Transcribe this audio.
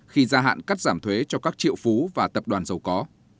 khi gia hạn cắt giảm thuế cho các triệu phú và tập đoàn giàu có